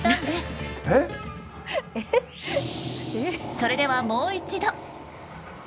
それではもう一度。